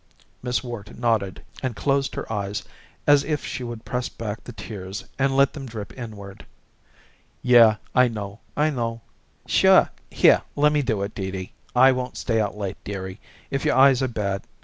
Miss Worte nodded and closed her eyes as if she would press back the tears and let them drip inward. "Yeh, I know. I know." "Sure! Here, lemme do it, Dee Dee. I won't stay out late, dearie, if your eyes are bad.